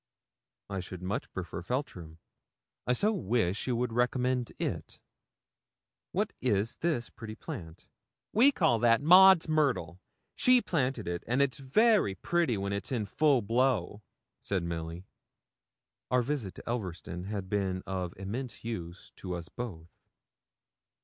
'I should much prefer Feltram. I so wish you would recommend it. What is this pretty plant?' 'We call that Maud's myrtle. She planted it, and it's very pretty when it's full in blow,' said Milly. Our visit to Elverston had been of immense use to us both.